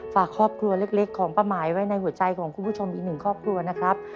ฝากครอบครัวเล็กของป้าหมายไว้ในหัวใจของคุณผู้ชมอีกหนึ่งครอบครัวนะครับ